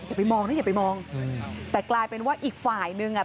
อย่าไปมองนะอย่าไปมองอืมแต่กลายเป็นว่าอีกฝ่ายนึงอ่ะ